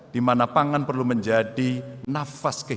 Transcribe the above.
di mana pangan perlu menjadi nafas kesehatan